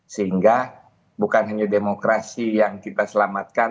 sehingga bukan hanya demokrasi yang kita selamatkan